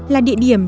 là địa điểm